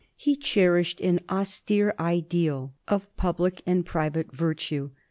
He cherished an austere ideal of public and pri vate virtue.